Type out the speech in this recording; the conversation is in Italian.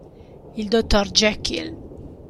Il dottor Jekyll